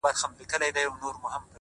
تش په نامه دغه ديدار وچاته څه وركوي ـ